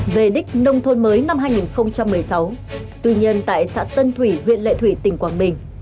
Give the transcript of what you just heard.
về đích nông thôn mới năm hai nghìn một mươi sáu tuy nhiên tại xã tân thủy huyện lệ thủy tỉnh quảng bình